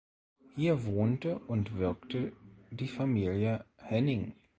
Hier wohnte und wirkte die Familie Henning.